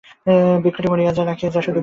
বৃক্ষটি মরিয়া যায়, রাখিয়া যায় শুধু বীজ।